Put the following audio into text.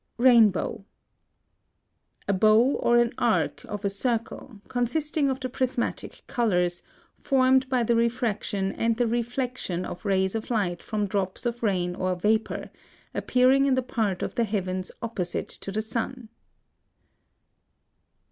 RAINBOW. A bow or an arc of a circle, consisting of the prismatic colors, formed by the refraction and the reflection of rays of light from drops of rain or vapor, appearing in the part of the heavens opposite to the sun.